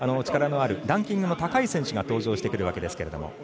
力のあるランキングの高い選手が登場してくるわけですけど。